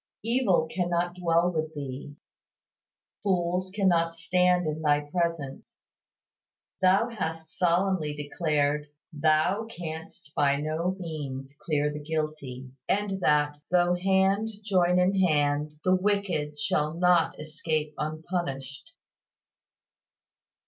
Evil cannot dwell with Thee, fools cannot stand in Thy presence. Thou hast solemnly declared, "Thou canst by no means clear the guilty," and that "though hand join in hand, the wicked shall not escape unpunished."